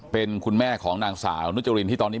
เพราะไม่เคยถามลูกสาวนะว่าไปทำธุรกิจแบบไหนอะไรยังไง